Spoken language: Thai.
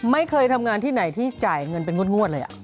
ไม่เคยทำงานที่ไหนที่จ่ายเงินเป็นงวดเลย